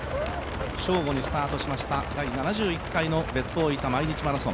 正午にスタートしました第７１回の別府大分毎日マラソン。